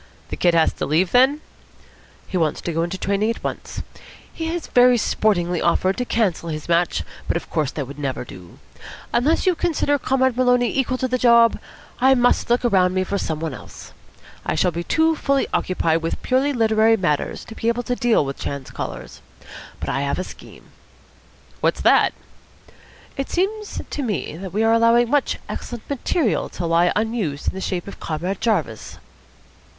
"The Kid has had to leave then?" "He wants to go into training at once. He very sportingly offered to cancel his match, but of course that would never do. Unless you consider Comrade Maloney equal to the job, I must look around me for some one else. I shall be too fully occupied with purely literary matters to be able to deal with chance callers. But I have a scheme." "What's that?" "It seems to me that we are allowing much excellent material to lie unused in the shape of Comrade Jarvis."